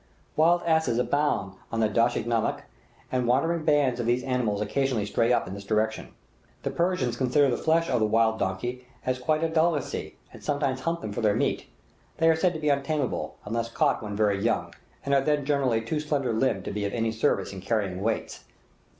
Wild asses abound on the dasht i namek, and wandering bands of these animals occasionally stray up in this direction. The Persians consider the flesh of the wild donkey as quite a delicacy, and sometimes hunt them for their meat; they are said to be untamable, unless caught when very young, and are then generally too slender limbed to be of any service in carrying weights.